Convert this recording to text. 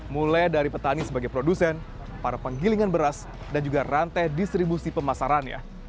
mulai dari petani sebagai produsen para penggilingan beras dan juga rantai distribusi pemasarannya